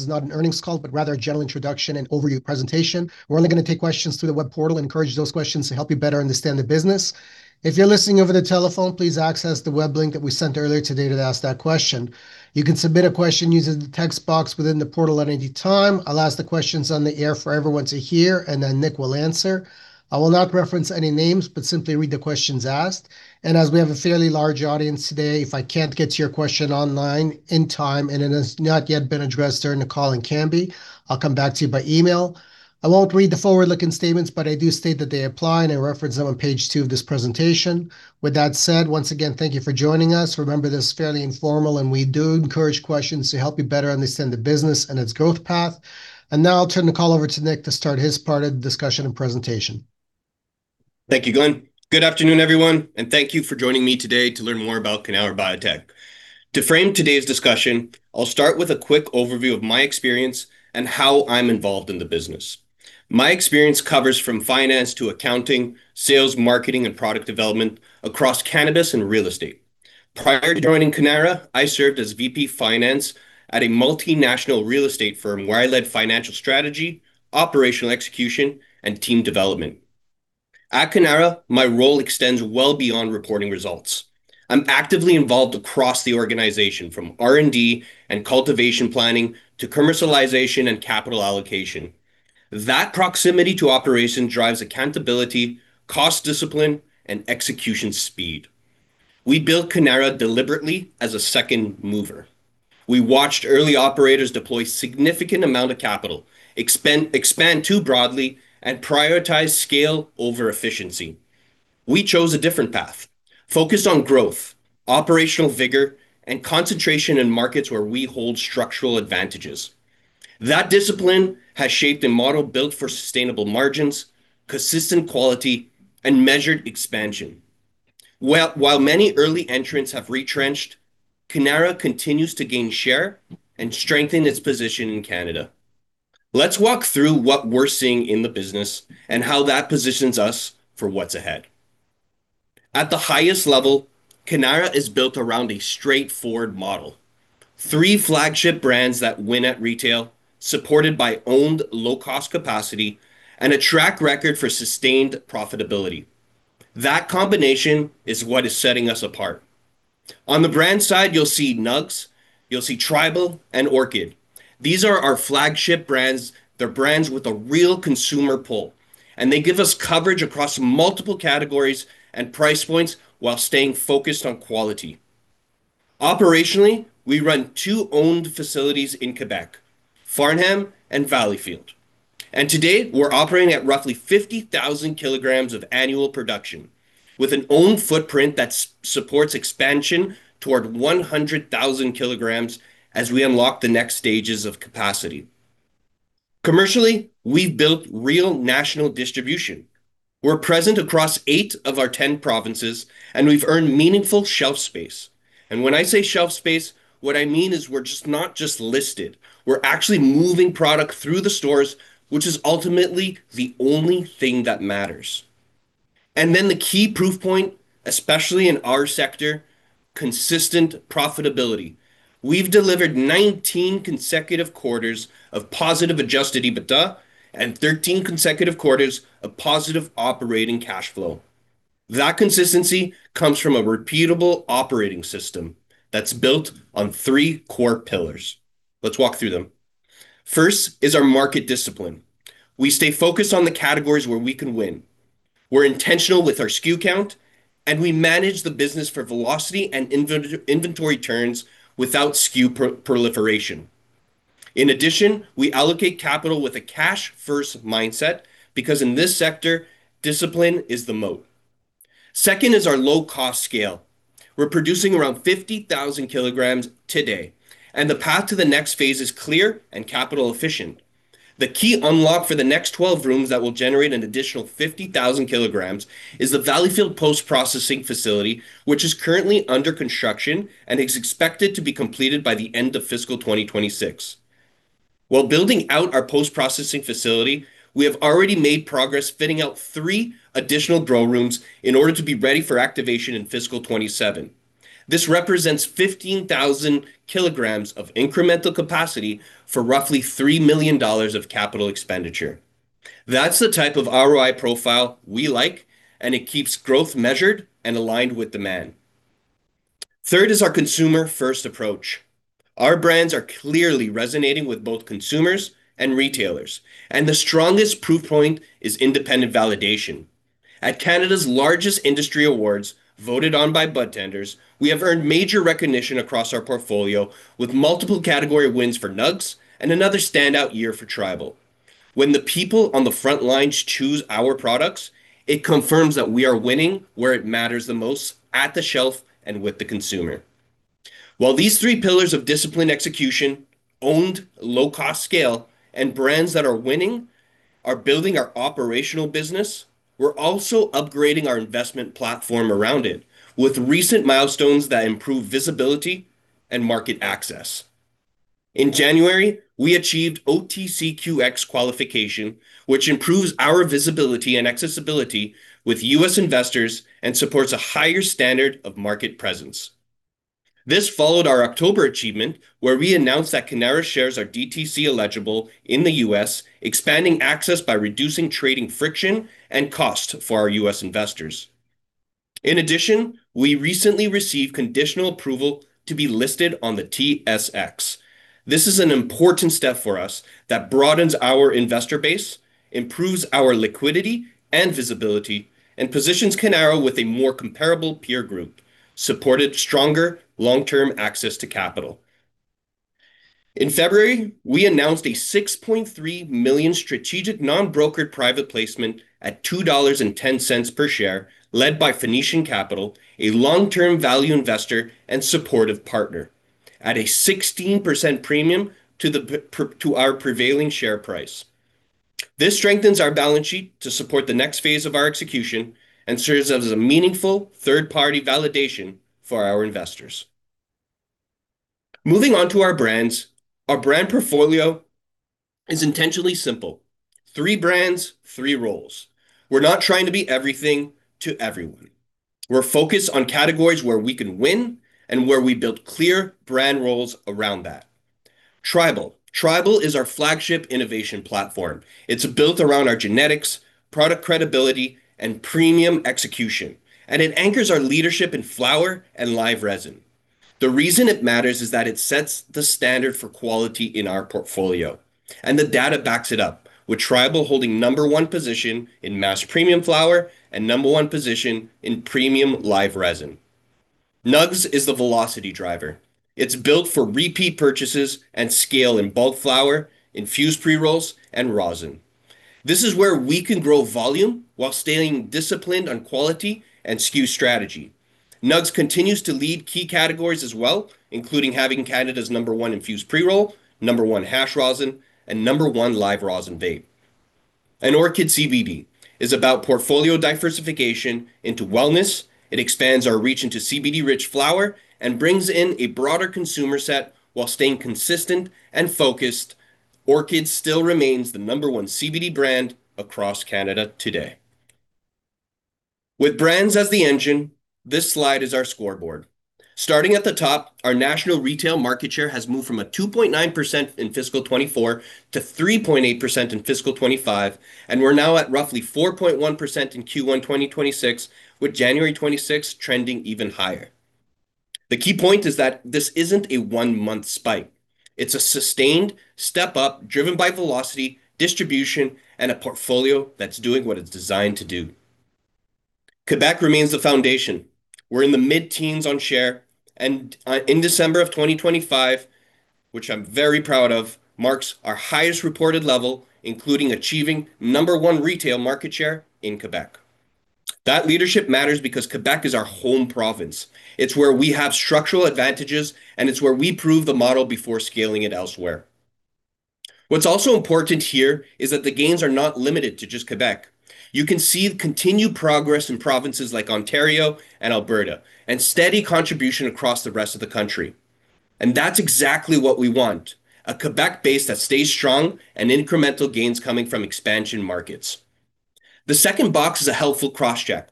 Is not an earnings call, but rather a general introduction and overview presentation. We're only going to take questions through the web portal and encourage those questions to help you better understand the business. If you're listening over the telephone, please access the web link that we sent earlier today to ask that question. You can submit a question using the text box within the portal at any time. I'll ask the questions on the air for everyone to hear, and then Nick will answer. I will not reference any names, but simply read the questions asked. As we have a fairly large audience today, if I can't get to your question online in time, and it has not yet been addressed during the call and can be, I'll come back to you by email. I won't read the forward-looking statements, but I do state that they apply, and I reference them on page 2 of this presentation. With that said, once again, thank you for joining us. Remember, this is fairly informal, and we do encourage questions to help you better understand the business and its growth path. Now I'll turn the call over to Nick to start his part of the discussion and presentation. Thank you, Glenn. Good afternoon, everyone, and thank you for joining me today to learn more about Cannara Biotech. To frame today's discussion, I'll start with a quick overview of my experience and how I'm involved in the business. My experience covers from finance to accounting, sales, marketing, and product development across cannabis and real estate. Prior to joining Cannara, I served as VP Finance at a multinational real estate firm, where I led financial strategy, operational execution, and team development. At Cannara, my role extends well beyond reporting results. I'm actively involved across the organization, from R&D and cultivation planning to commercialization and capital allocation. That proximity to operation drives accountability, cost discipline, and execution speed. We built Cannara deliberately as a second mover. We watched early operators deploy significant amount of capital, expand too broadly, and prioritize scale over efficiency. We chose a different path, focused on growth, operational vigor, and concentration in markets where we hold structural advantages. That discipline has shaped a model built for sustainable margins, consistent quality, and measured expansion. Well, while many early entrants have retrenched, Cannara continues to gain share and strengthen its position in Canada. Let's walk through what we're seeing in the business and how that positions us for what's ahead. At the highest level, Cannara is built around a straightforward model. Three flagship brands that win at retail, supported by owned low-cost capacity and a track record for sustained profitability. That combination is what is setting us apart. On the brand side, you'll see Nugz, you'll see Tribal, and Orchid. These are our flagship brands. They're brands with a real consumer pull, and they give us coverage across multiple categories and price points while staying focused on quality. Operationally, we run two owned facilities in Quebec: Farnham and Valleyfield. And today, we're operating at roughly 50,000 kilograms of annual production, with an owned footprint that supports expansion toward 100,000 kilograms as we unlock the next stages of capacity. Commercially, we've built real national distribution. We're present across eight of our 10 provinces, and we've earned meaningful shelf space. And when I say shelf space, what I mean is we're not just listed. We're actually moving product through the stores, which is ultimately the only thing that matters. And then the key proof point, especially in our sector, consistent profitability. We've delivered 19 consecutive quarters of positive Adjusted EBITDA and 13 consecutive quarters of positive operating cash flow. That consistency comes from a repeatable operating system that's built on three core pillars. Let's walk through them. First is our market discipline. We stay focused on the categories where we can win. We're intentional with our SKU count, and we manage the business for velocity and inventory turns without SKU proliferation. In addition, we allocate capital with a cash-first mindset because in this sector, discipline is the moat. Second is our low-cost scale. We're producing around 50,000 kilograms today, and the path to the next phase is clear and capital efficient. The key unlock for the next 12 rooms that will generate an additional 50,000 kilograms is the Valleyfield post-processing facility, which is currently under construction and is expected to be completed by the end of fiscal 2026. While building out our post-processing facility, we have already made progress fitting out three additional grow rooms in order to be ready for activation in fiscal 2027. This represents 15,000 kilograms of incremental capacity for roughly 3 million dollars of capital expenditure. That's the type of ROI profile we like, and it keeps growth measured and aligned with demand. Third is our consumer-first approach. Our brands are clearly resonating with both consumers and retailers, and the strongest proof point is independent validation. At Canada's largest industry awards, voted on by budtenders, we have earned major recognition across our portfolio, with multiple category wins for Nugz and another standout year for Tribal. When the people on the front lines choose our products, it confirms that we are winning where it matters the most: at the shelf and with the consumer. While these three pillars of discipline, execution, owned low-cost scale, and brands that are winning are building our operational business, we're also upgrading our investment platform around it, with recent milestones that improve visibility and market access. In January, we achieved OTCQX qualification, which improves our visibility and accessibility with U.S. investors and supports a higher standard of market presence. This followed our October achievement, where we announced that Cannara shares are DTC eligible in the U.S., expanding access by reducing trading friction and cost for our U.S. investors. In addition, we recently received conditional approval to be listed on the TSX. This is an important step for us that broadens our investor base, improves our liquidity and visibility, and positions Cannara with a more comparable peer group, supported stronger long-term access to capital. In February, we announced a 6.3 million strategic non-brokered private placement at 2.10 dollars per share, led by Phoenician Capital, a long-term value investor and supportive partner, at a 16% premium to our prevailing share price. This strengthens our balance sheet to support the next phase of our execution and serves as a meaningful third-party validation for our investors. Moving on to our brands. Our brand portfolio is intentionally simple: three brands, three roles. We're not trying to be everything to everyone. We're focused on categories where we can win and where we build clear brand roles around that. Tribal. Tribal is our flagship innovation platform. It's built around our genetics, product credibility, and premium execution, and it anchors our leadership in flower and live resin. The reason it matters is that it sets the standard for quality in our portfolio, and the data backs it up, with Tribal holding number one position in mass premium flower and number one position in premium live resin. Nugz is the velocity driver. It's built for repeat purchases and scale in bulk flower, infused pre-rolls, and rosin. This is where we can grow volume while staying disciplined on quality and SKU strategy. Nugz continues to lead key categories as well, including having Canada's number one infused pre-roll, number one hash rosin, and number one live rosin vape. Orchid CBD is about portfolio diversification into wellness. It expands our reach into CBD-rich flower and brings in a broader consumer set while staying consistent and focused. Orchid still remains the number one CBD brand across Canada today. With brands as the engine, this slide is our scoreboard. Starting at the top, our national retail market share has moved from a 2.9% in fiscal 2024 to 3.8% in fiscal 2025, and we're now at roughly 4.1% in Q1 2026, with January 2026 trending even higher. The key point is that this isn't a one-month spike. It's a sustained step up, driven by velocity, distribution, and a portfolio that's doing what it's designed to do. Quebec remains the foundation. We're in the mid-teens on share, and in December of 2025, which I'm very proud of, marks our highest reported level, including achieving number one retail market share in Quebec. That leadership matters because Quebec is our home province. It's where we have structural advantages, and it's where we prove the model before scaling it elsewhere. What's also important here is that the gains are not limited to just Quebec. You can see continued progress in provinces like Ontario and Alberta, and steady contribution across the rest of the country. And that's exactly what we want, a Quebec base that stays strong and incremental gains coming from expansion markets. The second box is a helpful cross-check.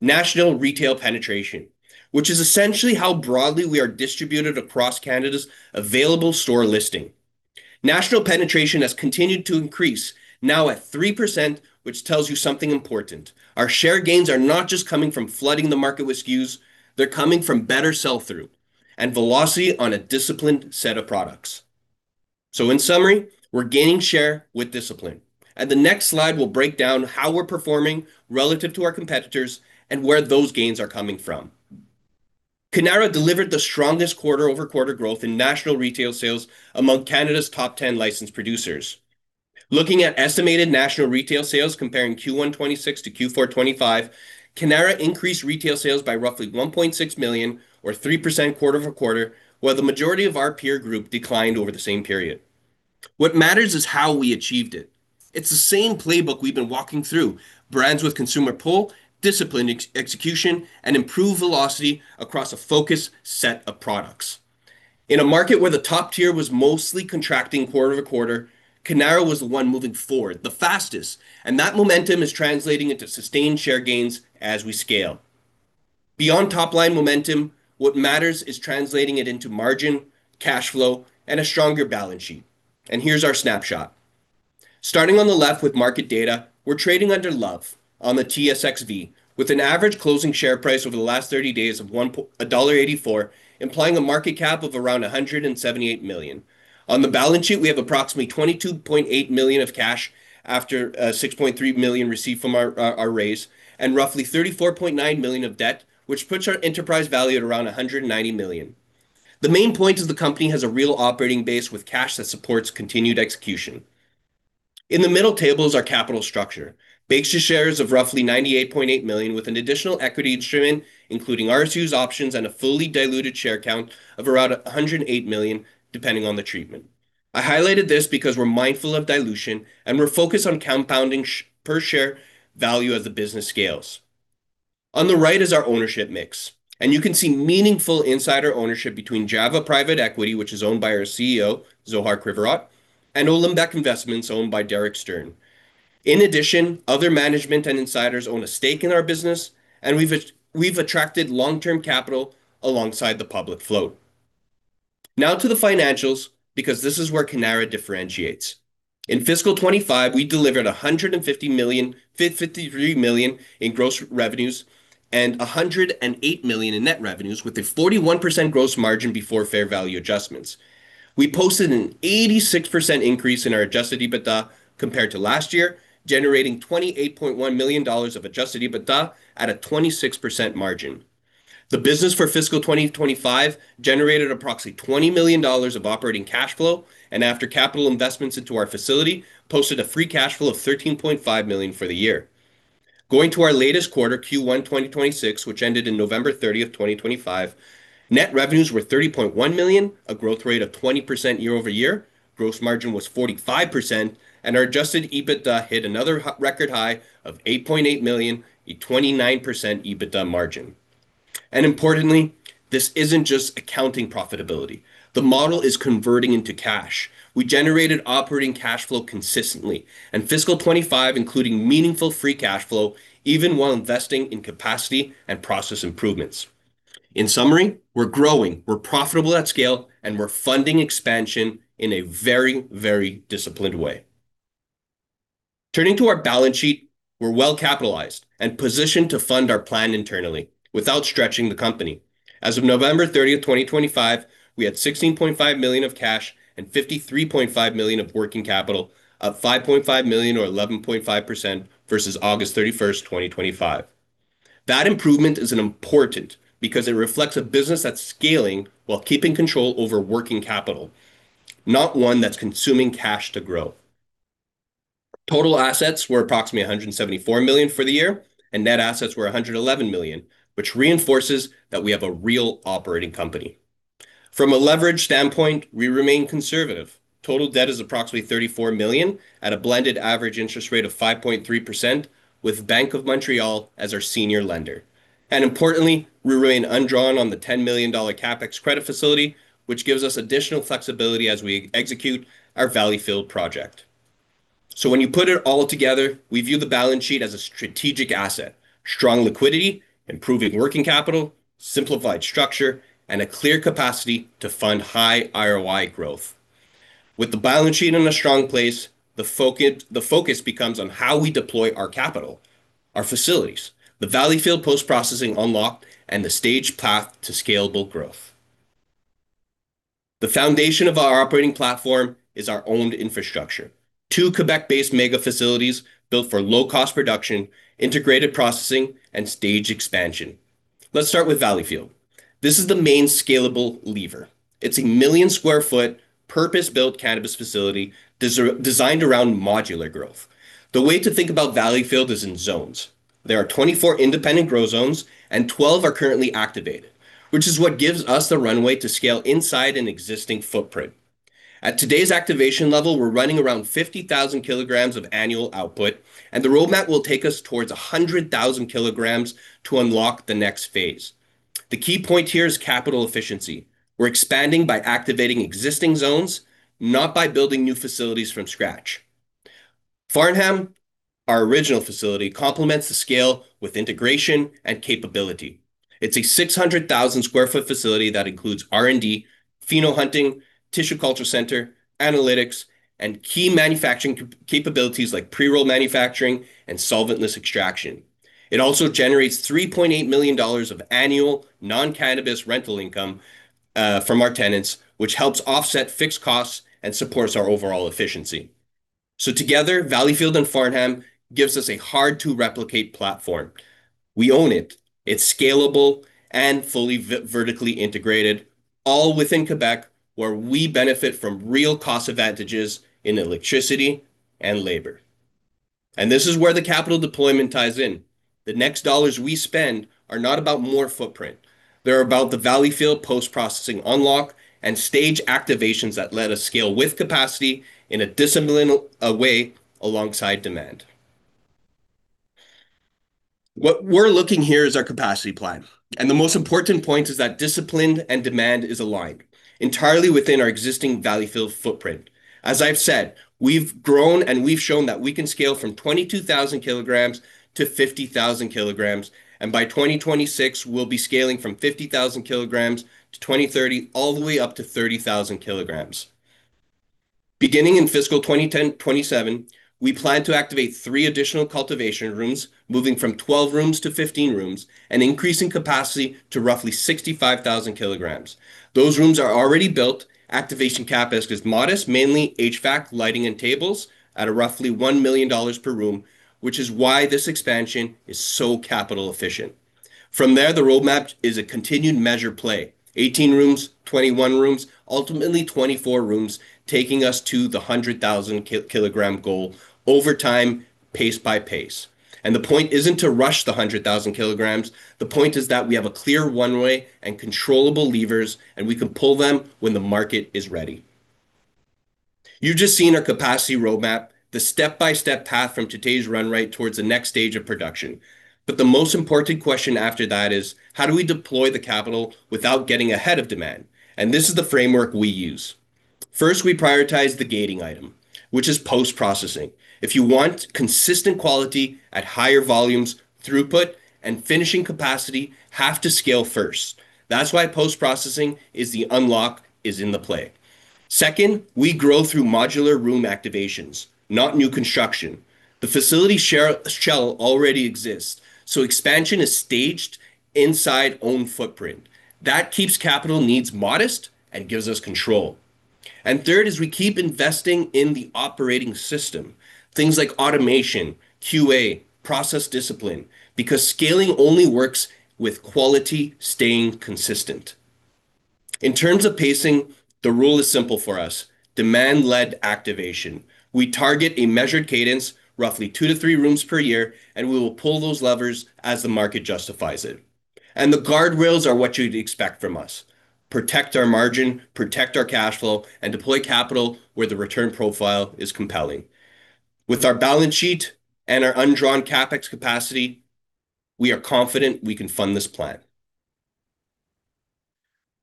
National retail penetration, which is essentially how broadly we are distributed across Canada's available store listing. National penetration has continued to increase, now at 3%, which tells you something important. Our share gains are not just coming from flooding the market with SKUs, they're coming from better sell-through and velocity on a disciplined set of products. So in summary, we're gaining share with discipline, and the next slide will break down how we're performing relative to our competitors and where those gains are coming from. Cannara delivered the strongest quarter-over-quarter growth in national retail sales among Canada's top 10 licensed producers. Looking at estimated national retail sales, comparing Q1 2026-Q4 2025, Cannara increased retail sales by roughly 1.6 million, or 3% quarter-over-quarter, while the majority of our peer group declined over the same period. What matters is how we achieved it. It's the same playbook we've been walking through, brands with consumer pull, disciplined execution, and improved velocity across a focused set of products. In a market where the top tier was mostly contracting quarter-over-quarter, Cannara was the one moving forward the fastest, and that momentum is translating into sustained share gains as we scale. Beyond top-line momentum, what matters is translating it into margin, cash flow, and a stronger balance sheet. Here's our snapshot. Starting on the left with market data, we're trading under LOVE on the TSXV, with an average closing share price over the last 30 days of 1.84 dollar, implying a market cap of around 178 million. On the balance sheet, we have approximately 22.8 million of cash after 6.3 million received from our raise, and roughly 34.9 million of debt, which puts our enterprise value at around 190 million. The main point is the company has a real operating base with cash that supports continued execution. In the middle table is our capital structure. Basic shares of roughly 98.8 million, with an additional equity instrument, including RSUs, options, and a fully diluted share count of around 108 million, depending on the treatment. I highlighted this because we're mindful of dilution, and we're focused on compounding per share value as the business scales. On the right is our ownership mix, and you can see meaningful insider ownership between Java Private Equity, which is owned by our CEO, Zohar Krivorot, and Olymbec Investments, owned by Derek Stern. In addition, other management and insiders own a stake in our business, and we've attracted long-term capital alongside the public float. Now to the financials, because this is where Cannara differentiates. In fiscal 2025, we delivered 150.053 million in gross revenues and 108 million in net revenues, with a 41% gross margin before fair value adjustments. We posted an 86% increase in our Adjusted EBITDA compared to last year, generating 28.1 million dollars of Adjusted EBITDA at a 26% margin. The business for fiscal 2025 generated approximately 20 million dollars of operating cash flow, and after capital investments into our facility, posted a free cash flow of 13.5 million for the year. Going to our latest quarter, Q1 2026, which ended in November thirtieth, 2025, net revenues were 30.1 million, a growth rate of 20% year-over-year. Gross margin was 45%, and our adjusted EBITDA hit another record high of 8.8 million, a 29% EBITDA margin. Importantly, this isn't just accounting profitability. The model is converting into cash. We generated operating cash flow consistently, in fiscal 2025, including meaningful free cash flow, even while investing in capacity and process improvements. In summary, we're growing, we're profitable at scale, and we're funding expansion in a very, very disciplined way. Turning to our balance sheet, we're well-capitalized and positioned to fund our plan internally without stretching the company. As of November 30, 2025, we had 16.5 million of cash and 53.5 million of working capital, up 5.5 million, or 11.5%, versus August 31, 2025. That improvement is important because it reflects a business that's scaling while keeping control over working capital, not one that's consuming cash to grow. Total assets were approximately 174 million for the year, and net assets were 111 million, which reinforces that we have a real operating company. From a leverage standpoint, we remain conservative. Total debt is approximately 34 million at a blended average interest rate of 5.3%, with Bank of Montreal as our senior lender. Importantly, we remain undrawn on the 10 million dollar CapEx credit facility, which gives us additional flexibility as we execute our Valleyfield project. So when you put it all together, we view the balance sheet as a strategic asset: strong liquidity, improving working capital, simplified structure, and a clear capacity to fund high ROI growth. With the balance sheet in a strong place, the focus becomes on how we deploy our capital, our facilities, the Valleyfield post-processing unlock, and the staged path to scalable growth. The foundation of our operating platform is our owned infrastructure. 2 Quebec-based mega facilities built for low-cost production, integrated processing, and staged expansion. Let's start with Valleyfield. This is the main scalable lever. It's a 1 million-square-foot, purpose-built cannabis facility designed around modular growth. The way to think about Valleyfield is in zones. There are 24 independent grow zones, and 12 are currently activated, which is what gives us the runway to scale inside an existing footprint. At today's activation level, we're running around 50,000 kilograms of annual output, and the roadmap will take us towards 100,000 kilograms to unlock the next phase. The key point here is capital efficiency. We're expanding by activating existing zones, not by building new facilities from scratch. Farnham, our original facility, complements the scale with integration and capability. It's a 600,000 sq ft facility that includes R&D, pheno hunting, tissue culture center, analytics, and key manufacturing capabilities like pre-roll manufacturing and solventless extraction. It also generates 3.8 million dollars of annual non-cannabis rental income from our tenants, which helps offset fixed costs and supports our overall efficiency. So together, Valleyfield and Farnham gives us a hard-to-replicate platform. We own it. It's scalable and fully vertically integrated, all within Quebec, where we benefit from real cost advantages in electricity and labor. And this is where the capital deployment ties in. The next dollars we spend are not about more footprint, they're about the Valleyfield post-processing unlock and stage activations that let us scale with capacity in a disciplined way alongside demand. What we're looking here is our capacity plan, and the most important point is that discipline and demand is aligned entirely within our existing Valleyfield footprint. As I've said, we've grown, and we've shown that we can scale from 22,000 kilograms to 50,000 kilograms, and by 2026, we'll be scaling from 50,000 kilograms to 2030, all the way up to 30,000 kilograms. Beginning in fiscal 2027, we plan to activate 3 additional cultivation rooms, moving from 12 rooms to 15 rooms and increasing capacity to roughly 65,000 kilograms. Those rooms are already built. Activation CapEx is modest, mainly HVAC, lighting, and tables at a roughly 1 million dollars per room, which is why this expansion is so capital efficient. From there, the roadmap is a continued measure play. 18 rooms, 21 rooms, ultimately 24 rooms, taking us to the 100,000-kilogram goal over time, pace by pace. The point isn't to rush the 100,000 kilograms. The point is that we have a clear runway and controllable levers, and we can pull them when the market is ready. You've just seen our capacity roadmap, the step-by-step path from today's run rate towards the next stage of production. But the most important question after that is: how do we deploy the capital without getting ahead of demand? And this is the framework we use. First, we prioritize the gating item, which is post-processing. If you want consistent quality at higher volumes, throughput and finishing capacity have to scale first. That's why post-processing is the unlock, is in the play. Second, we grow through modular room activations, not new construction. The facility shell already exists, so expansion is staged inside own footprint. That keeps capital needs modest and gives us control. And third is we keep investing in the operating system, things like automation, QA, process discipline, because scaling only works with quality staying consistent. In terms of pacing, the rule is simple for us: demand-led activation. We target a measured cadence, roughly 2-3 rooms per year, and we will pull those levers as the market justifies it. The guardrails are what you'd expect from us: protect our margin, protect our cash flow, and deploy capital where the return profile is compelling. With our balance sheet and our undrawn CapEx capacity, we are confident we can fund this plan.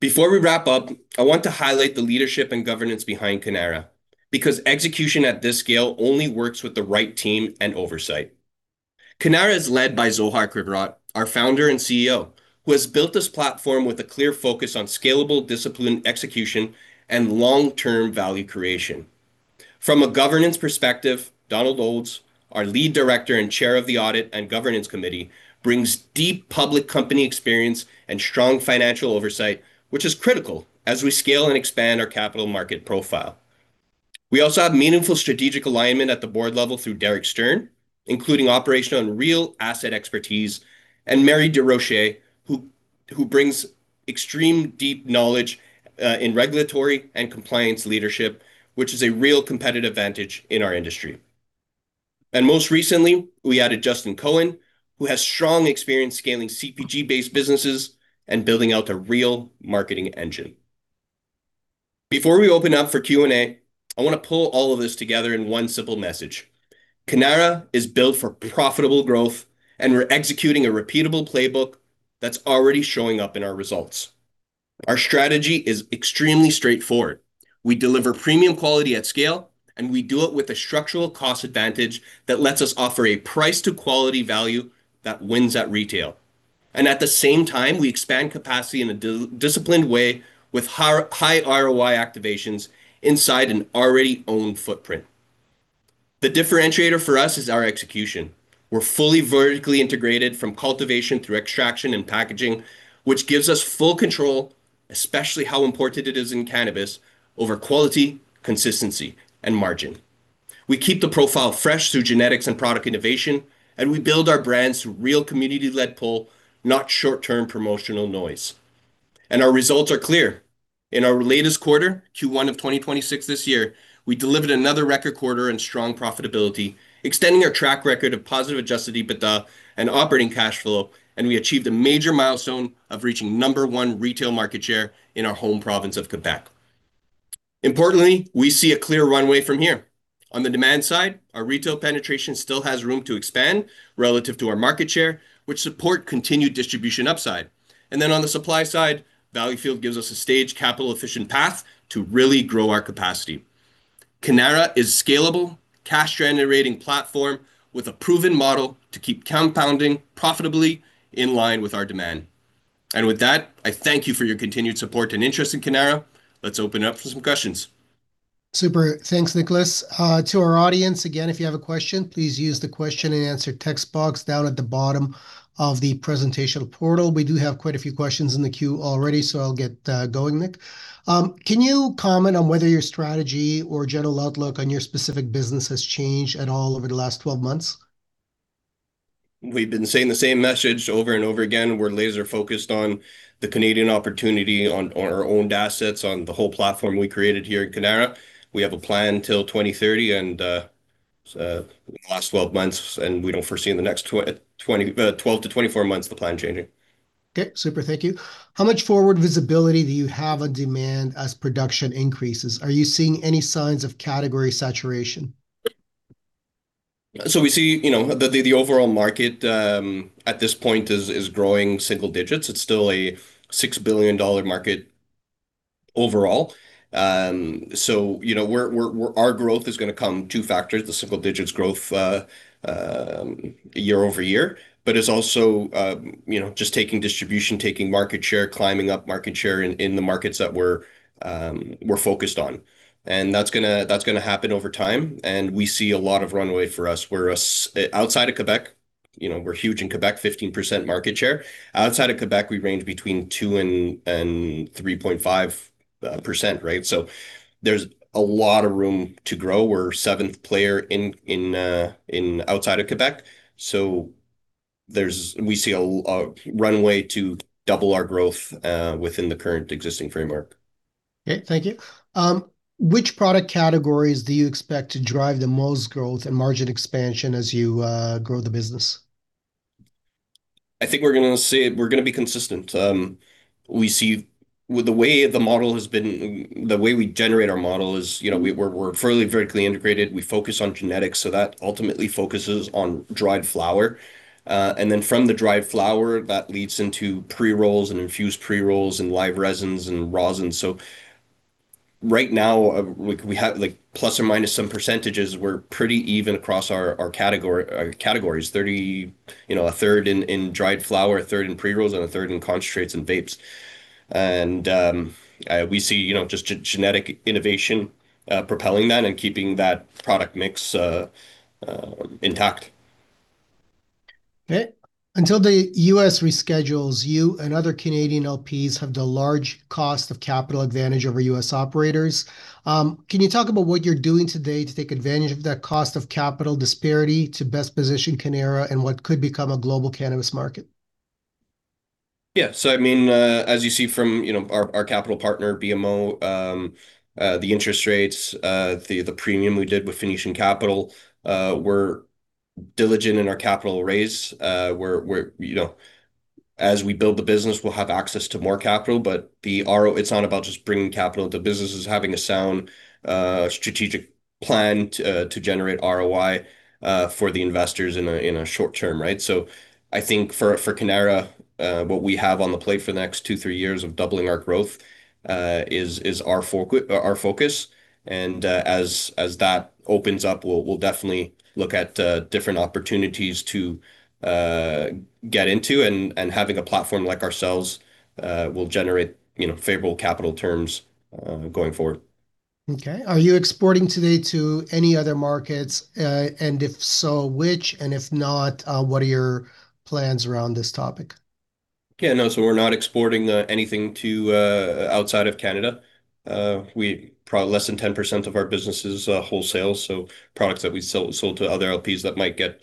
Before we wrap up, I want to highlight the leadership and governance behind Cannara, because execution at this scale only works with the right team and oversight. Cannara is led by Zohar Krivorot, our founder and CEO, who has built this platform with a clear focus on scalable, disciplined execution and long-term value creation. From a governance perspective, Donald Olds, our lead director and chair of the Audit and Governance Committee, brings deep public company experience and strong financial oversight, which is critical as we scale and expand our capital market profile. We also have meaningful strategic alignment at the board level through Derek Stern, including operational and real asset expertise, and Mary Durocher, who brings extreme deep knowledge in regulatory and compliance leadership, which is a real competitive advantage in our industry. Most recently, we added Justin Cohen, who has strong experience scaling CPG-based businesses and building out a real marketing engine. Before we open up for Q&A, I want to pull all of this together in one simple message. Cannara is built for profitable growth, and we're executing a repeatable playbook that's already showing up in our results. Our strategy is extremely straightforward. We deliver premium quality at scale, and we do it with a structural cost advantage that lets us offer a price-to-quality value that wins at retail. At the same time, we expand capacity in a disciplined way with high, high ROI activations inside an already owned footprint. The differentiator for us is our execution. We're fully vertically integrated from cultivation through extraction and packaging, which gives us full control, especially how important it is in cannabis, over quality, consistency, and margin. We keep the profile fresh through genetics and product innovation, and we build our brands through real community-led pull, not short-term promotional noise. Our results are clear. In our latest quarter, Q1 of 2026 this year, we delivered another record quarter and strong profitability, extending our track record of positive Adjusted EBITDA and operating cash flow, and we achieved a major milestone of reaching number one retail market share in our home province of Quebec. Importantly, we see a clear runway from here. On the demand side, our retail penetration still has room to expand relative to our market share, which support continued distribution upside. On the supply side, Valleyfield gives us a staged, capital-efficient path to really grow our capacity. Cannara is a scalable, cash-generating platform with a proven model to keep compounding profitably in line with our demand. With that, I thank you for your continued support and interest in Cannara. Let's open it up for some questions. Super. Thanks, Nicholas. To our audience, again, if you have a question, please use the question-and-answer text box down at the bottom of the presentation portal. We do have quite a few questions in the queue already, so I'll get going, Nick. Can you comment on whether your strategy or general outlook on your specific business has changed at all over the last 12 months? We've been saying the same message over and over again. We're laser-focused on the Canadian opportunity, on our owned assets, on the whole platform we created here at Cannara. We have a plan till 2030, and the last 12 months, and we don't foresee in the next 12-24 months, the plan changing. Okay, super. Thank you. How much forward visibility do you have on demand as production increases? Are you seeing any signs of category saturation? So we see, you know, the overall market at this point is growing single digits. It's still a 6 billion dollar market overall. So you know, we're, we're... Our growth is going to come two factors, the single digits growth year-over-year, but it's also, you know, just taking distribution, taking market share, climbing up market share in the markets that we're focused on. And that's gonna, that's gonna happen over time, and we see a lot of runway for us. We're outside of Quebec, you know, we're huge in Quebec, 15% market share. Outside of Quebec, we range between 2% and 3.5%, right? So there's a lot of room to grow. We're seventh player in outside of Quebec, so we see a runway to double our growth within the current existing framework. Great. Thank you. Which product categories do you expect to drive the most growth and margin expansion as you grow the business? I think we're gonna say we're gonna be consistent. We see with the way the model has been, the way we generate our model is, you know, we're fairly vertically integrated. We focus on genetics, so that ultimately focuses on dried flower. And then from the dried flower, that leads into pre-rolls and infused pre-rolls and live resins and rosin. So, right now, we have, like, plus or minus some percentages, we're pretty even across our category, our categories. You know, a third in dried flower, a third in pre-rolls, and a third in concentrates and vapes. And, we see, you know, just genetic innovation propelling that and keeping that product mix intact. Okay. Until the U.S. reschedules, you and other Canadian LPs have the large cost of capital advantage over U.S. operators. Can you talk about what you're doing today to take advantage of that cost of capital disparity to best position Cannara in what could become a global cannabis market? Yeah. So I mean, as you see from, you know, our capital partner, BMO, the interest rates, the premium we did with Phoenician Capital, we're diligent in our capital raise. You know, as we build the business, we'll have access to more capital, but it's not about just bringing capital to businesses, it's having a sound strategic plan to generate ROI for the investors in a short term, right? So I think for Cannara, what we have on the plate for the next two, three years of doubling our growth, is our focus. As that opens up, we'll definitely look at different opportunities to get into, and having a platform like ourselves will generate, you know, favorable capital terms going forward. Okay. Are you exporting today to any other markets? And if so, which? And if not, what are your plans around this topic? Yeah, no, so we're not exporting anything to outside of Canada. Less than 10% of our business is wholesale, so products that we sold to other LPs that might get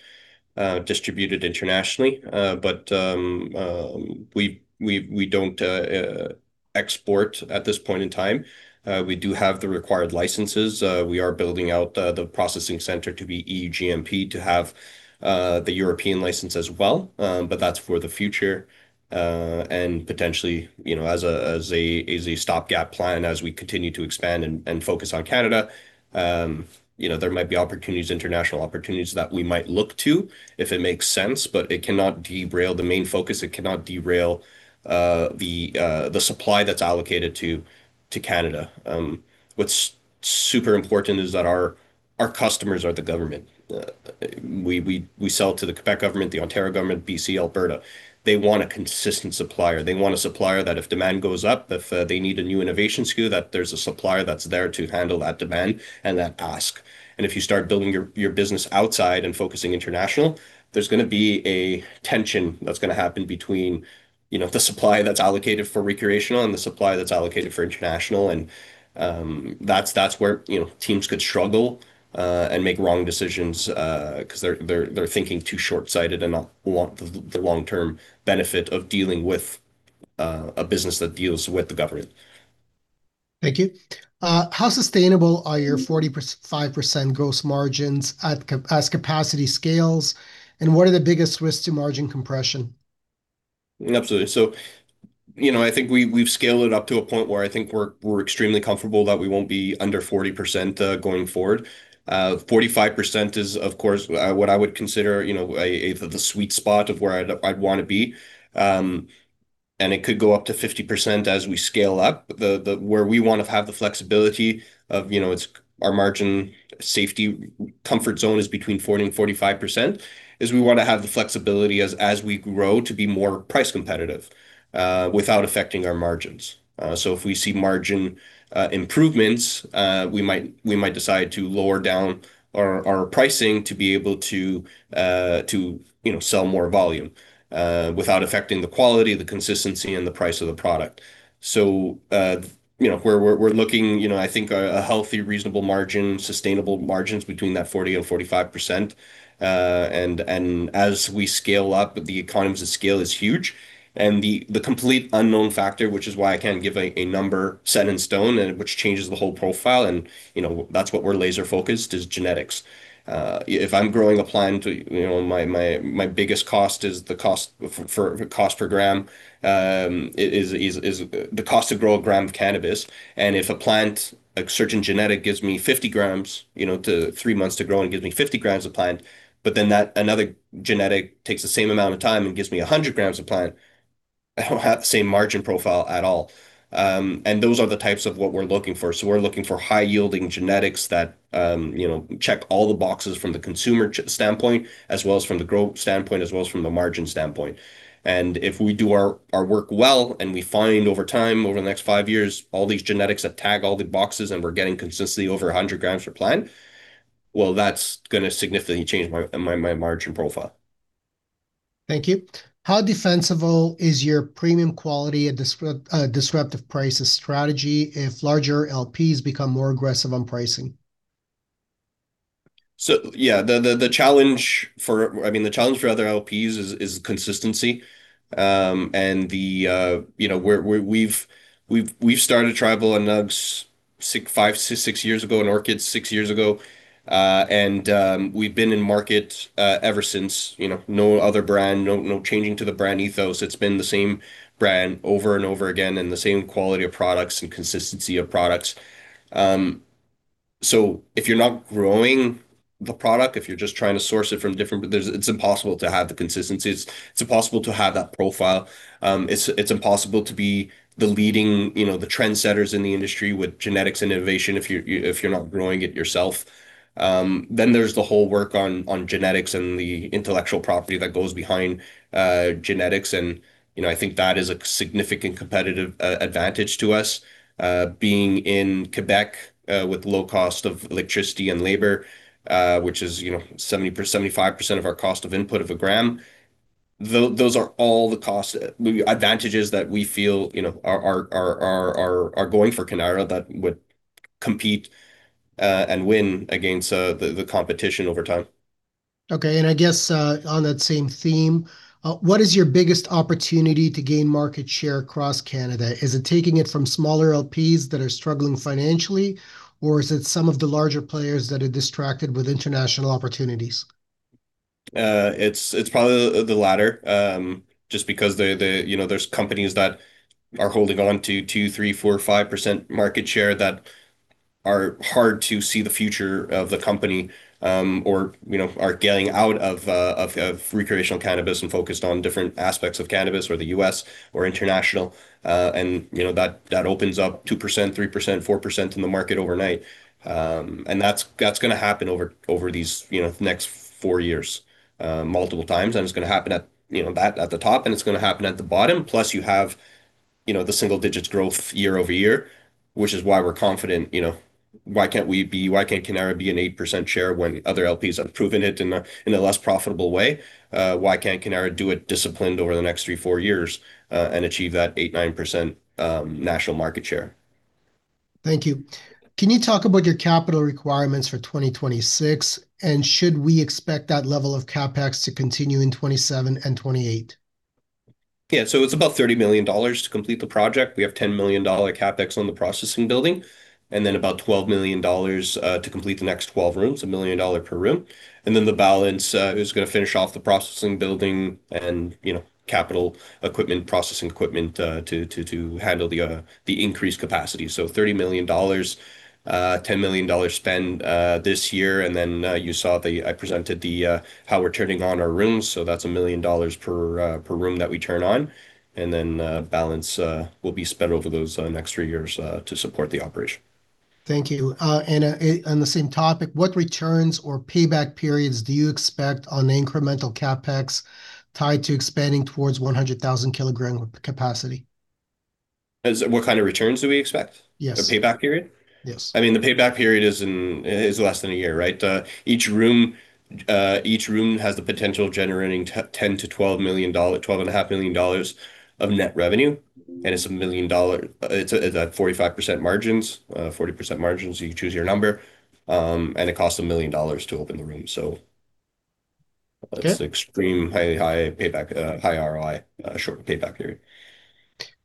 distributed internationally. But we don't export at this point in time. We do have the required licenses. We are building out the processing center to be EU-GMP, to have the European license as well. But that's for the future, and potentially, you know, as a stopgap plan as we continue to expand and focus on Canada. You know, there might be opportunities, international opportunities that we might look to, if it makes sense, but it cannot derail the main focus. It cannot derail the supply that's allocated to Canada. What's super important is that our customers are the government. We sell to the Quebec government, the Ontario government, B.C., Alberta. They want a consistent supplier. They want a supplier that if demand goes up, if they need a new innovation SKU, that there's a supplier that's there to handle that demand and that task. And if you start building your business outside and focusing international, there's gonna be a tension that's gonna happen between, you know, the supply that's allocated for recreational and the supply that's allocated for international. And that's where, you know, teams could struggle and make wrong decisions 'cause they're thinking too short-sighted and not the long-term benefit of dealing with a business that deals with the government. Thank you. How sustainable are your 45% gross margins as capacity scales, and what are the biggest risks to margin compression? Absolutely. So, you know, I think we've scaled it up to a point where I think we're extremely comfortable that we won't be under 40%, going forward. Forty-five percent is, of course, what I would consider, you know, the sweet spot of where I'd wanna be. And it could go up to 50% as we scale up. Where we want to have the flexibility of, you know, it's our margin safety comfort zone is between 40%-45%, is we wanna have the flexibility as we grow, to be more price competitive, without affecting our margins. So if we see margin improvements, we might decide to lower down our pricing to be able to, you know, sell more volume without affecting the quality, the consistency, and the price of the product. So, you know, we're looking, you know, I think, a healthy, reasonable margin, sustainable margins between 40%-45%. And as we scale up, the economies of scale is huge, and the complete unknown factor, which is why I can't give a number set in stone, and which changes the whole profile, and, you know, that's what we're laser-focused, is genetics. If I'm growing a plant, you know, my biggest cost is the cost per gram, is the cost to grow a gram of cannabis. If a plant, a certain genetic gives me 50 grams, you know, to 3 months to grow and gives me 50 grams a plant, but then that another genetic takes the same amount of time and gives me 100 grams a plant, I don't have the same margin profile at all. Those are the types of what we're looking for. We're looking for high-yielding genetics that, you know, check all the boxes from the consumer standpoint, as well as from the growth standpoint, as well as from the margin standpoint. If we do our, our work well, and we find over time, over the next 5 years, all these genetics that tag all the boxes, and we're getting consistency over 100 grams per plant, well, that's gonna significantly change my, my, my margin profile. Thank you. How defensible is your premium quality and disruptive pricing strategy if larger LPs become more aggressive on pricing? So yeah, I mean, the challenge for other LPs is consistency. And you know, we've started Tribal and Nugz 5-6 years ago, and Orchid 6 years ago, and we've been in market ever since. You know, no other brand, no changing to the brand ethos. It's been the same brand over and over again, and the same quality of products and consistency of products. So if you're not growing the product, if you're just trying to source it from different, but it's impossible to have the consistencies. It's impossible to have that profile. It's impossible to be the leading, you know, the trendsetters in the industry with genetics innovation, if you're not growing it yourself. Then there's the whole work on genetics and the intellectual property that goes behind genetics. And, you know, I think that is a significant competitive advantage to us. Being in Quebec with low cost of electricity and labor, which is, you know, 75% of our cost of input of a gram. Those are all the cost advantages that we feel, you know, are going for Cannara that would compete and win against the competition over time. Okay, and I guess, on that same theme, what is your biggest opportunity to gain market share across Canada? Is it taking it from smaller LPs that are struggling financially, or is it some of the larger players that are distracted with international opportunities? It's probably the latter. Just because the you know, there's companies that are holding on to 2, 3, 4, 5% market share that are hard to see the future of the company, or you know, are getting out of recreational cannabis and focused on different aspects of cannabis or the US or international. And you know, that opens up 2%, 3%, 4% in the market overnight. And that's gonna happen over these you know next 4 years multiple times. And it's gonna happen at you know that at the top, and it's gonna happen at the bottom. Plus, you have, you know, the single-digit growth year-over-year, which is why we're confident, you know, why can't Cannara be an 8% share when other LPs have proven it in a less profitable way? Why can't Cannara do it disciplined over the next 3-4 years and achieve that 8%-9% national market share? Thank you. Can you talk about your capital requirements for 2026? Should we expect that level of CapEx to continue in 2027 and 2028? Yeah. So it's about 30 million dollars to complete the project. We have 10 million dollar CapEx on the processing building, and then about 12 million dollars to complete the next 12 rooms, 1 million dollar per room. And then the balance is gonna finish off the processing building and, you know, capital equipment, processing equipment, to handle the increased capacity. So 30 million dollars, 10 million dollars spend this year, and then you saw the... I presented the how we're turning on our rooms, so that's 1 million dollars per room that we turn on. And then balance will be spent over those next 3 years to support the operation. Thank you. And, on the same topic, what returns or payback periods do you expect on incremental CapEx tied to expanding towards 100,000 kilogram capacity? What kind of returns do we expect? Yes. The payback period? Yes. I mean, the payback period is in, is less than a year, right? Each room has the potential of generating 10-12 million dollar, 12.5 million dollars of net revenue, and it's a million dollar. It's at 45% margins, 40% margins, you can choose your number, and it costs 1 million dollars to open the room. So Okay it's extreme, high, high payback, high ROI, short payback period.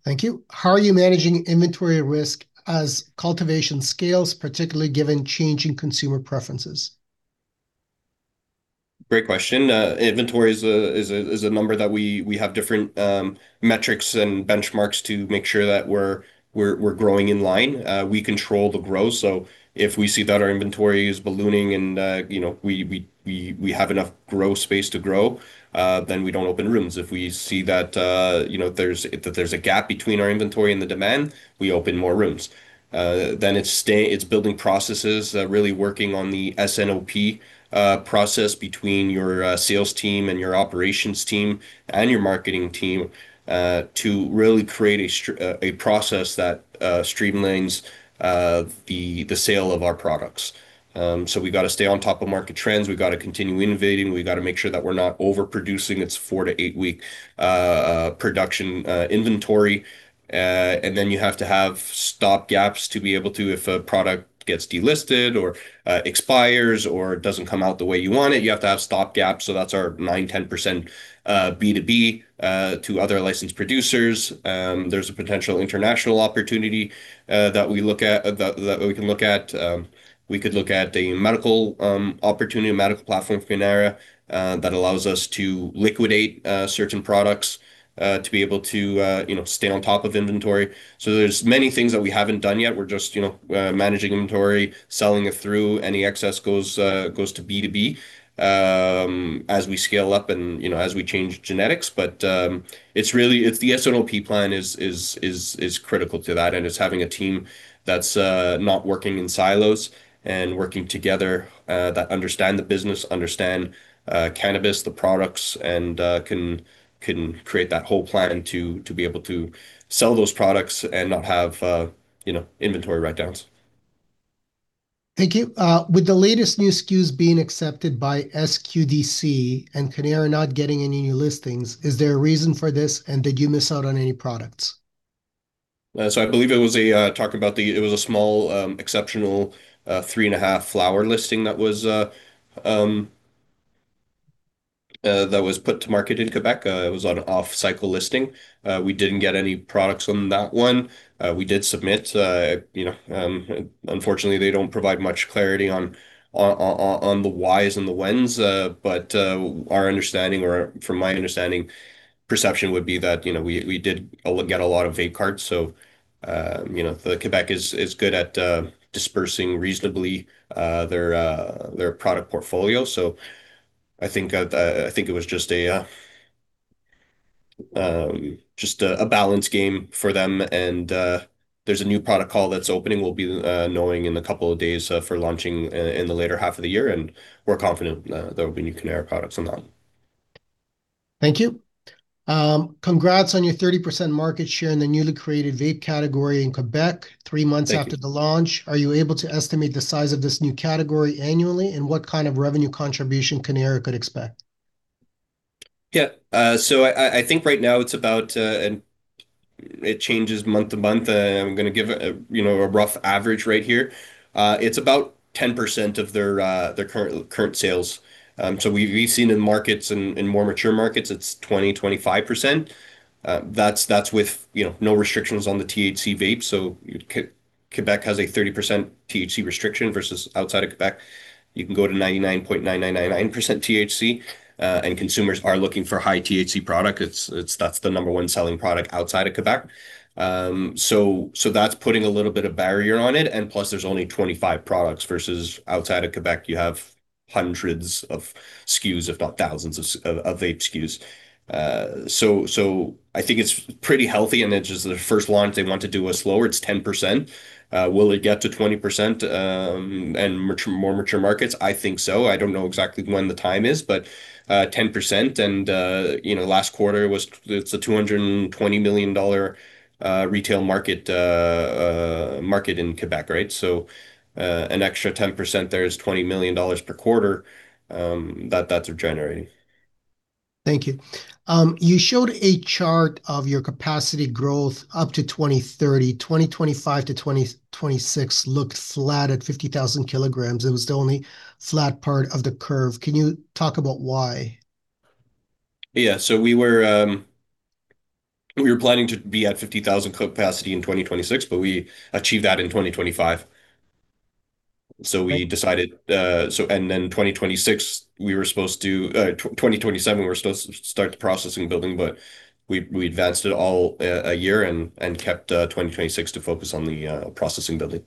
Thank you. How are you managing inventory risk as cultivation scales, particularly given changing consumer preferences? Great question. Inventory is a number that we have different metrics and benchmarks to make sure that we're growing in line. We control the growth, so if we see that our inventory is ballooning and, you know, we have enough growth space to grow, then we don't open rooms. If we see that, you know, there's a gap between our inventory and the demand, we open more rooms. Then it's building processes, really working on the S&OP process between your sales team and your operations team and your marketing team, to really create a process that streamlines the sale of our products. So we've got to stay on top of market trends. We've got to continue innovating. We've got to make sure that we're not overproducing. It's 4- to 8-week production inventory. And then you have to have stopgaps to be able to, if a product gets delisted or expires or doesn't come out the way you want it, you have to have stopgaps, so that's our 9%-10% B2B to other licensed producers. There's a potential international opportunity that we look at, that we can look at. We could look at a medical opportunity, a medical platform for Cannara, that allows us to liquidate certain products to be able to, you know, stay on top of inventory. So there's many things that we haven't done yet. We're just, you know, managing inventory, selling it through, any excess goes to B2B, as we scale up and, you know, as we change genetics. But, it's really it's the S&OP plan is critical to that, and it's having a team that's not working in silos and working together, that understand the business, understand cannabis, the products, and can create that whole plan to be able to sell those products and not have, you know, inventory write-downs. Thank you. With the latest new SKUs being accepted by SQDC and Cannara not getting any new listings, is there a reason for this, and did you miss out on any products? So I believe it was a small exceptional 3.5 flower listing that was put to market in Quebec. It was on an off-cycle listing. We didn't get any products on that one. We did submit, you know, unfortunately, they don't provide much clarity on the whys and the whens. But our understanding or from my understanding, perception would be that, you know, we did get a lot of vape carts. So, you know, Quebec is good at dispersing reasonably their product portfolio. So I think it was just a balance game for them. And there's a new product call that's opening. We'll be knowing in a couple of days for launching in the later half of the year, and we're confident there will be new Cannara products on that. Thank you. Congrats on your 30% market share in the newly created vape category in Quebec, 3 months- Thank you. After the launch. Are you able to estimate the size of this new category annually, and what kind of revenue contribution Cannara could expect? Yeah. So I think right now it's about, and it changes month to month. I'm gonna give a, you know, a rough average rate here. It's about 10% of their current sales. So we've seen in markets, in more mature markets, it's 20, 25%. That's with, you know, no restrictions on the THC vape. So Quebec has a 30% THC restriction, versus outside of Quebec, you can go to 99.9999% THC. And consumers are looking for high THC product. It's that's the number one selling product outside of Quebec. So that's putting a little bit of barrier on it, and plus, there's only 25 products, versus outside of Quebec, you have hundreds of SKUs, if not thousands of vape SKUs. So, I think it's pretty healthy, and it's just the first launch, they want to do it slower. It's 10%. Will it get to 20% in more mature markets? I think so. I don't know exactly when the time is, but 10% and you know, last quarter was, it's a 220 million dollar retail market in Quebec, right? So, an extra 10% there is 20 million dollars per quarter, that's generating. Thank you. You showed a chart of your capacity growth up to 2030. 2025 to 2026 looked flat at 50,000 kilograms. It was the only flat part of the curve. Can you talk about why? Yeah. So we were planning to be at 50,000 capacity in 2026, but we achieved that in 2025. So we decided, so, and then 2026, we were supposed to, 2027, we were supposed to start the processing building, but we advanced it all a year and kept 2026 to focus on the processing building.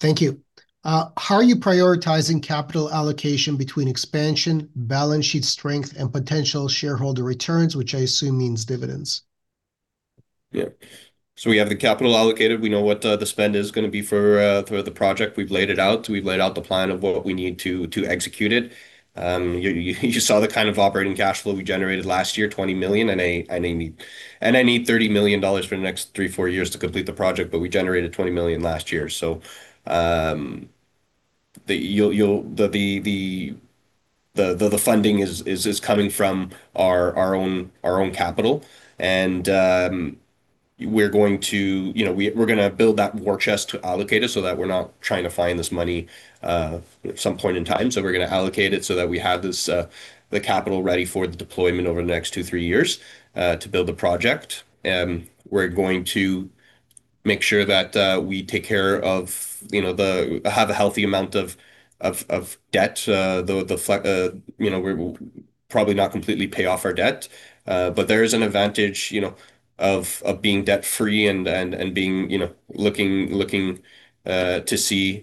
Thank you. How are you prioritizing capital allocation between expansion, balance sheet strength, and potential shareholder returns, which I assume means dividends? Yeah. So we have the capital allocated. We know what the spend is gonna be for the project. We've laid it out. We've laid out the plan of what we need to execute it. You saw the kind of operating cash flow we generated last year, 20 million, and I need 30 million dollars for the next 3-4 years to complete the project, but we generated 20 million last year. So the funding is coming from our own capital. And we're going to, you know, we're gonna build that war chest to allocate it so that we're not trying to find this money at some point in time. So we're gonna allocate it so that we have this, the capital ready for the deployment over the next 2-3 years, to build the project. And we're going to make sure that, we take care of, you know, the have a healthy amount of debt. You know, we're probably not completely pay off our debt, but there is an advantage, you know, of being debt-free and being, you know, to see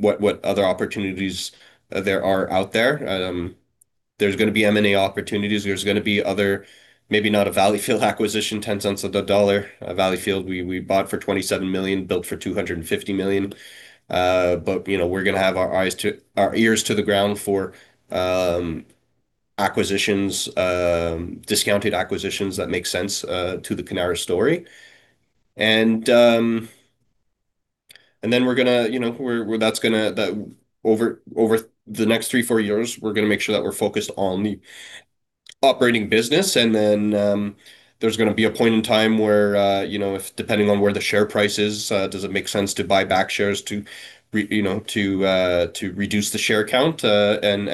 what other opportunities there are out there. There's gonna be M&A opportunities. There's gonna be other, maybe not a Valleyfield acquisition, 10 cents of the dollar. Valleyfield, we bought for 27 million, built for 250 million. But, you know, we're gonna have our eyes to-- our ears to the ground for acquisitions, discounted acquisitions that make sense to the Cannara story. And then we're gonna, you know, we're that's gonna, that over the next three, four years, we're gonna make sure that we're focused on the operating business. And then there's gonna be a point in time where, you know, if depending on where the share price is, does it make sense to buy back shares to re- you know, to, to reduce the share count? And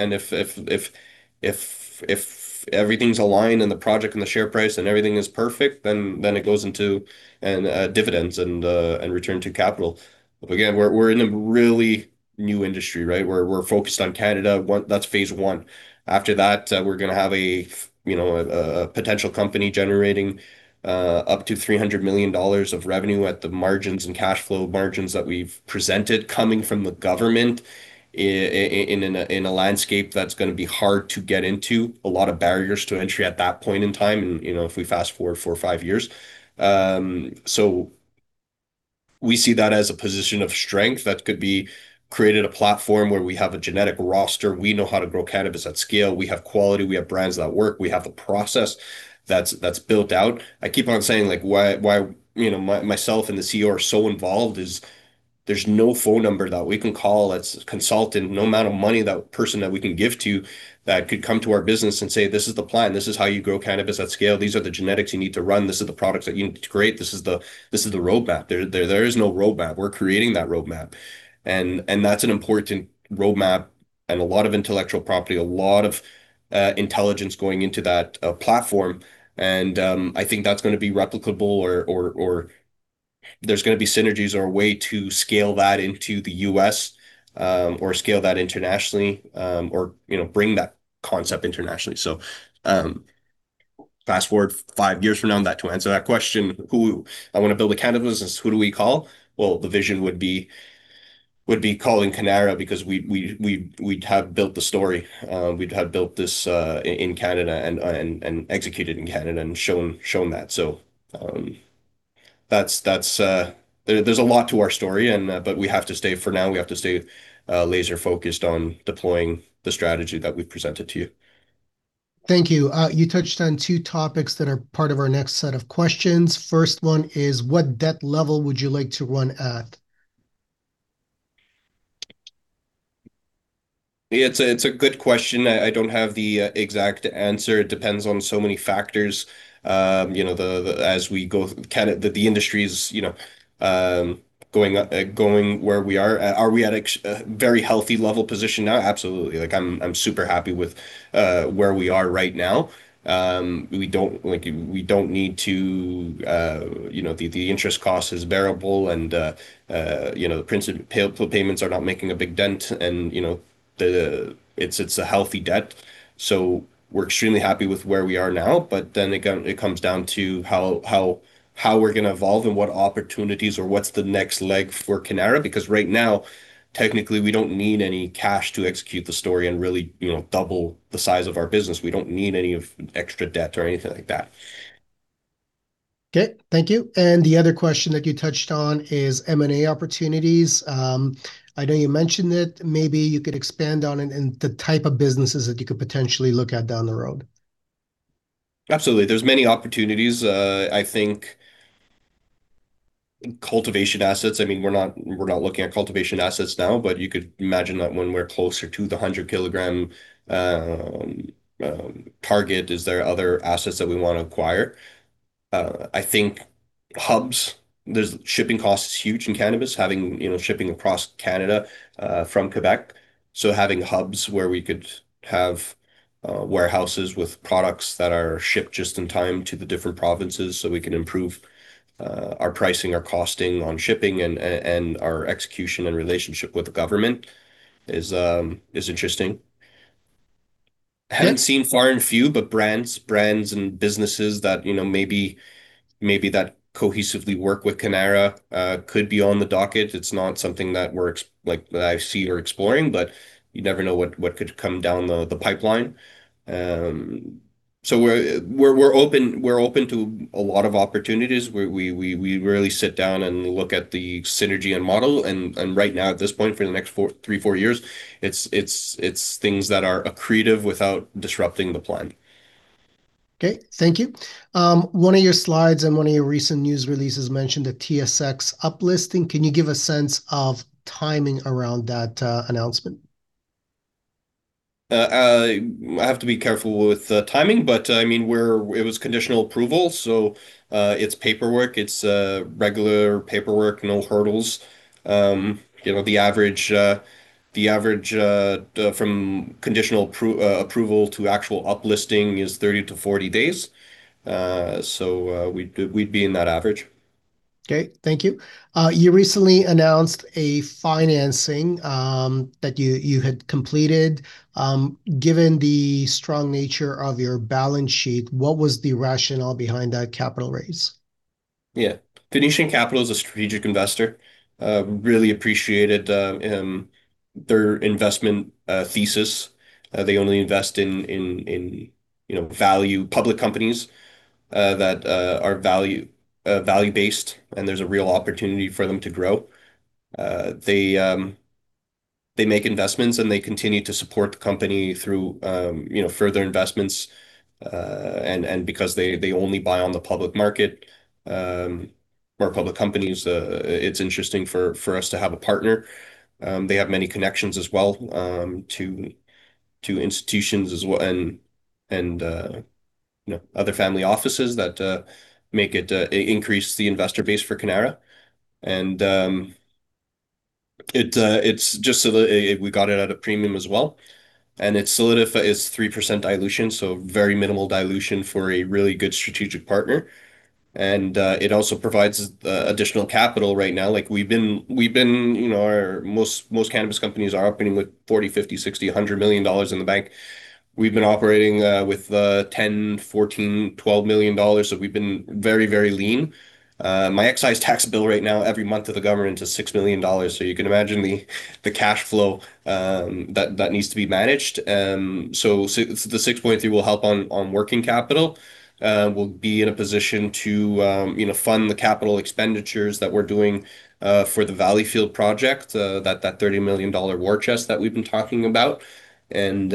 if everything's aligned, and the project and the share price and everything is perfect, then it goes into, and dividends and, and return to capital. But again, we're in a really new industry, right? We're focused on Canada. One, that's phase one. After that, we're gonna have a, you know, a potential company generating up to 300 million dollars of revenue at the margins and cash flow margins that we've presented, coming from the government in a landscape that's gonna be hard to get into. A lot of barriers to entry at that point in time, and, you know, if we fast-forward four or five years. So we see that as a position of strength that could be created, a platform where we have a genetic roster. We know how to grow cannabis at scale. We have quality. We have brands that work. We have a process that's built out. I keep on saying, like, why, you know, myself and the CEO are so involved is there's no phone number that we can call a consultant, no amount of money, that person that we can give to, that could come to our business and say, "This is the plan. This is how you grow cannabis at scale. These are the genetics you need to run. This is the products that you need to create. This is the roadmap." There is no roadmap. We're creating that roadmap, and that's an important roadmap and a lot of intellectual property, a lot of intelligence going into that platform. I think that's gonna be replicable or there's gonna be synergies or a way to scale that into the U.S., or scale that internationally, or, you know, bring that concept internationally. So fast forward five years from now, that to answer that question, who I want to build a cannabis business, who do we call? Well, the vision would be calling Cannara because we'd have built the story. We'd have built this in Canada and executed in Canada and shown that. So that's. There's a lot to our story, and but we have to stay. For now, we have to stay laser-focused on deploying the strategy that we've presented to you. Thank you. You touched on two topics that are part of our next set of questions. First one is, what debt level would you like to run at? It's a good question. I don't have the exact answer. It depends on so many factors. You know, the, the as we go, Canada, the, the industry is, you know, going where we are. Are we at a very healthy level position now? Absolutely. Like, I'm super happy with where we are right now. We don't, like, we don't need to, you know, the interest cost is bearable, and, you know, the principal payments are not making a big dent. And, you know, it's a healthy debt, so we're extremely happy with where we are now. But then again, it comes down to how we're gonna evolve and what opportunities or what's the next leg for Cannara. Because right now, technically, we don't need any cash to execute the story and really, you know, double the size of our business. We don't need any of extra debt or anything like that. Okay, thank you. The other question that you touched on is M&A opportunities. I know you mentioned it, maybe you could expand on it and the type of businesses that you could potentially look at down the road. Absolutely. There's many opportunities. I think cultivation assets, I mean, we're not, we're not looking at cultivation assets now, but you could imagine that when we're closer to the 100-kilogram target, is there other assets that we want to acquire? I think hubs. There's shipping cost is huge in cannabis, having, you know, shipping across Canada, from Quebec. So having hubs where we could have, warehouses with products that are shipped just in time to the different provinces, so we can improve, our pricing, our costing on shipping, and, and our execution and relationship with the government is, is interesting. Yeah. I haven't seen far and few, but brands and businesses that, you know, maybe that cohesively work with Cannara, could be on the docket. It's not something that we're ex- like, that I see or exploring, but you never know what could come down the pipeline. So we're open to a lot of opportunities, where we really sit down and look at the synergy and model. And right now, at this point, for the next 4, 3, 4 years, it's things that are accretive without disrupting the plan. Okay, thank you. One of your slides and one of your recent news releases mentioned the TSX uplisting. Can you give a sense of timing around that announcement? I have to be careful with timing, but I mean, it was conditional approval, so it's paperwork. It's regular paperwork, no hurdles. You know, the average from conditional approval to actual uplisting is 30-40 days. So, we'd be in that average. Okay, thank you. You recently announced a financing that you, you had completed. Given the strong nature of your balance sheet, what was the rationale behind that capital raise? Yeah. Phoenician Capital is a strategic investor. Really appreciated their investment thesis. They only invest in, you know, value public companies that are value-based, and there's a real opportunity for them to grow. They make investments, and they continue to support the company through, you know, further investments. And because they only buy on the public market or public companies, it's interesting for us to have a partner. They have many connections as well to institutions as well, and, you know, other family offices that make it increase the investor base for Cannara. It's just so that we got it at a premium as well, and it's 3% dilution, so very minimal dilution for a really good strategic partner. And, it also provides additional capital right now. Like we've been, we've been, you know, most cannabis companies are opening with 40 million dollars, 50 million, 60 million, 100 million dollars in the bank. We've been operating with 10 million dollars, 14 million, 12 million dollars, so we've been very, very lean. My excise tax bill right now, every month to the government, is 6 million dollars, so you can imagine the cash flow that needs to be managed. So the 6.3 million will help on working capital. We'll be in a position to, you know, fund the capital expenditures that we're doing for the Valleyfield project, that CAD 30 million war chest that we've been talking about. And,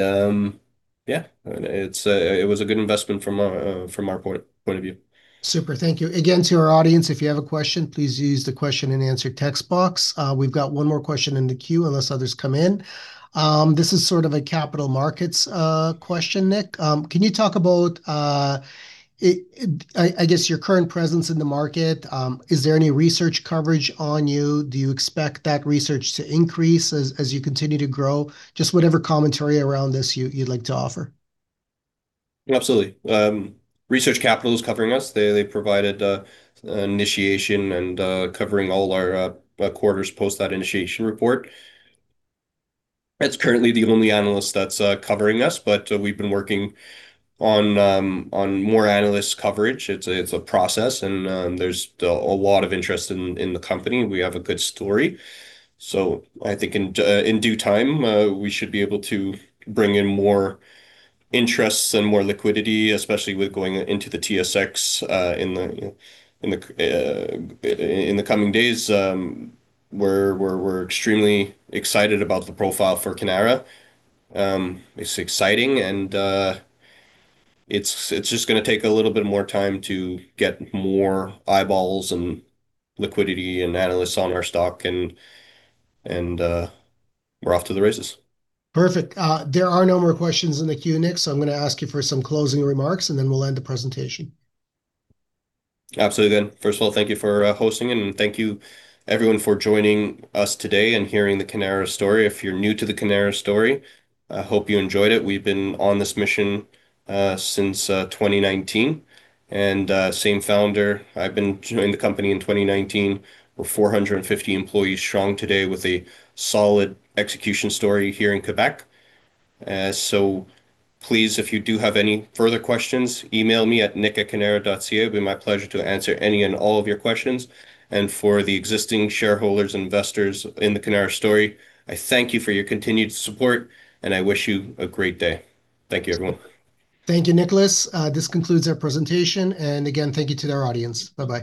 yeah, and it was a good investment from our point of view. Super. Thank you. Again, to our audience, if you have a question, please use the question and answer text box. We've got one more question in the queue, unless others come in. This is sort of a capital markets question, Nick. Can you talk about, I guess, your current presence in the market? Is there any research coverage on you? Do you expect that research to increase as you continue to grow? Just whatever commentary around this you'd like to offer. Absolutely. Research Capital is covering us. They provided initiation and covering all our quarters post that initiation report. That's currently the only analyst that's covering us, but we've been working on more analyst coverage. It's a process, and there's a lot of interest in the company. We have a good story. So I think in due time we should be able to bring in more interests and more liquidity, especially with going into the TSX in the coming days. We're extremely excited about the profile for Cannara. It's exciting, and it's just gonna take a little bit more time to get more eyeballs and liquidity and analysts on our stock, and we're off to the races. Perfect. There are no more questions in the queue, Nick, so I'm gonna ask you for some closing remarks, and then we'll end the presentation. Absolutely, then. First of all, thank you for hosting, and thank you everyone for joining us today and hearing the Cannara story. If you're new to the Cannara story, I hope you enjoyed it. We've been on this mission since 2019. And same founder, I've been joining the company in 2019. We're 450 employees strong today with a solid execution story here in Quebec. So please, if you do have any further questions, email me at nick@cannara.ca. It'll be my pleasure to answer any and all of your questions. And for the existing shareholders and investors in the Cannara story, I thank you for your continued support, and I wish you a great day. Thank you, everyone. Thank you, Nicholas. This concludes our presentation. And again, thank you to our audience. Bye-bye.